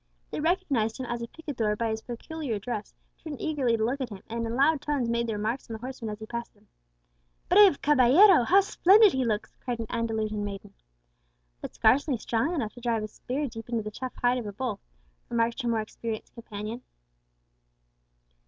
They recognized him as a picador by his peculiar dress, turned eagerly to look at him, and in loud tones made their remarks on the horseman as he passed them. "Brave caballero! how splendid he looks!" cried an Andalusian maiden. "But scarcely strong enough to drive his spear deep into the tough hide of a bull," remarked her more experienced companion.